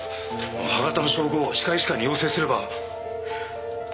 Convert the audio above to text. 歯型の照合を歯科医師会に要請すれば。